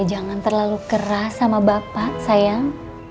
jangan terlalu keras sama bapak sayang